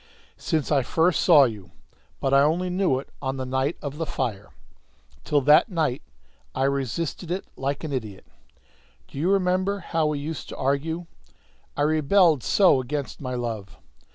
"Since I first saw you; but I only knew it on the night of the fire. Till that night I resisted it like an idiot. Do you remember how we used to argue? I rebelled so against my love!